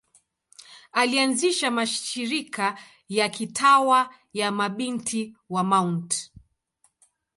Alianzisha mashirika ya kitawa ya Mabinti wa Mt.